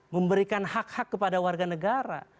memberikan hak hak kepada warga negara